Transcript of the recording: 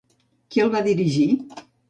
Qui el va dirigir?